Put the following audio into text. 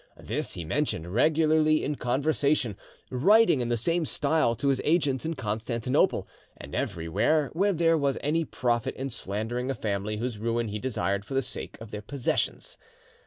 This he mentioned regularly in conversation, writing in the same style to his agents at Constantinople, and everywhere where there was any profit in slandering a family whose ruin he desired for the sake of their possessions.